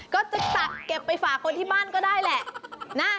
ก็จะตักเก็บไปฝากคนที่บ้านก็ได้แหละ